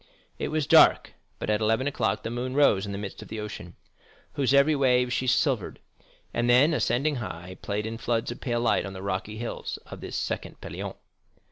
It was dark, but at eleven o'clock the moon rose in the midst of the ocean, whose every wave she silvered, and then, "ascending high," played in floods of pale light on the rocky hills of this second Pelion.